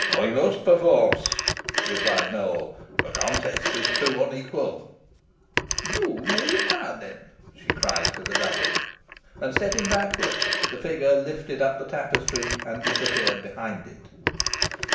"I must, perforce," replied Nowell: "the contest is too unequal." "You may retire, then," she cried to the double. And stepping backwards, the figure lifted up the tapestry, and disappeared behind it.